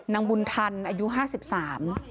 นางบุญทันอายุห้าสิบสาม